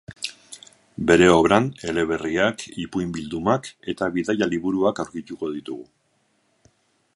Bere obran eleberriak, ipuin-bildumak eta bidaia liburuak aurkituko ditugu.